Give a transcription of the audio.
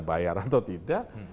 bayar atau tidak